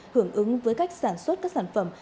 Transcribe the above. hưởng ứng với cách sản xuất các sản phẩm